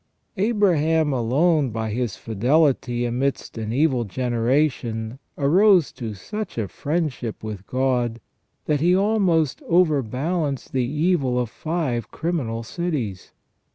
Abraham alone by his fidelity amidst an evil generation arose to such a friendship with God that he almost overbalanced the evil of five criminal cities.